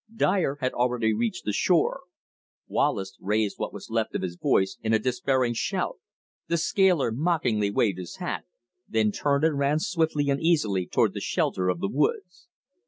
Dyer had already reached the shore. Wallace raised what was left of his voice in a despairing shout. The scaler mockingly waved his hat, then turned and ran swiftly and easily toward the shelter of the woods.